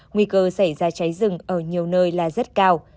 nguy cơ xảy ra cháy rừng ở nhiều nơi là rất cao